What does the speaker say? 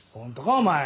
お前。